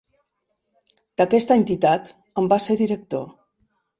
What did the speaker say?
D'aquesta entitat en va ser director.